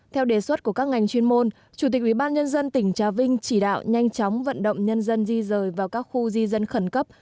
theo đề xuất của các ngành chuyên môn chủ tịch ubnd tỉnh trà vinh chỉ đạo nhanh chóng vận động nhân dân di rời vào các khu di dân khẩn cấp